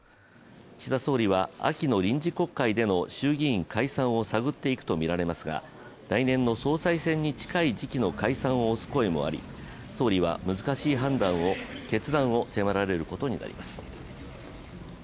岸田総理は秋の臨時国会での衆議院解散を探っていくとみられますが来年の総裁選に近い時期の解散を推す声もあり、総理は難しい決断を迫られることになります。